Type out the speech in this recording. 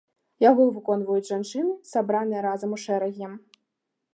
Яго выконваюць жанчыны, сабраныя разам у шэрагі.